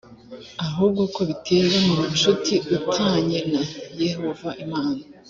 ahubwo ko biterwa n ubucuti u tanye na yehova imana